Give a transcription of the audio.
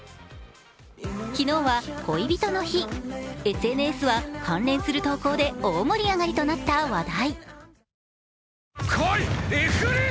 昨日は恋人の日、ＳＮＳは関連する投稿で大盛り上がりとなった話題。